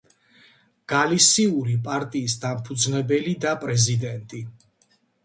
გალისიური პარტიის დამფუძნებელი და პრეზიდენტი.